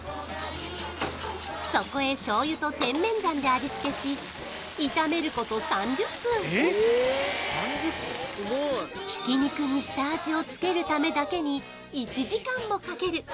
そこへ醤油と甜麺醤で味付けし炒めること３０分挽き肉に下味を付けるためだけに１時間もかける